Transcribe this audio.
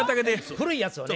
古いやつをね。